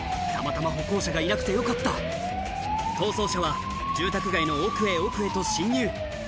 たまたま歩行者がいなくてよかった逃走車は住宅街の奥へ奥へと進入